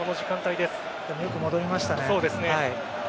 でも、よく戻りましたね。